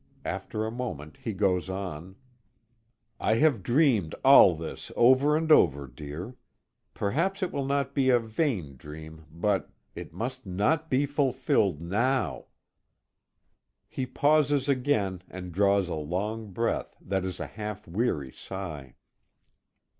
After a moment he goes on: "I have dreamed all this over and over, dear. Perhaps it will not be a vain dream, but it must not be fulfilled now." He pauses again, and draws a long breath, that is a half weary sigh.